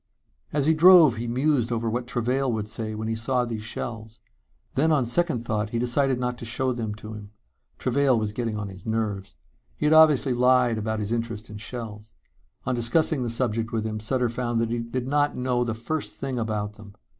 As he drove he mused over what Travail would say when he saw these shells. Then on second thought, he decided not to show them to him. Travail was getting on his nerves. He had obviously lied about his interest in shells. On discussing the subject with him Sutter found he did not know the first thing about them.